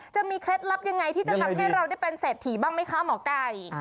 เคล็ดลับยังไงที่จะทำให้เราได้เป็นเศรษฐีบ้างไหมคะหมอไก่